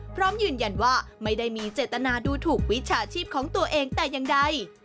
พร้อมยืนยันว่าไม่ได้มีเจตนาดูถูกวิชาชีพของตัวเองแต่อย่างใด